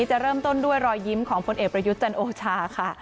จะเริ่มต้นด้วยรอยยิ้มของพลเอกประยุทธ์จันโอชาค่ะ